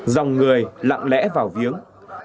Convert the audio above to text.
dòng người lặng lẽ vào viếng